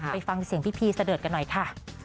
ไปฟังเสียงพี่พีเสดิร์ดกันหน่อยค่ะ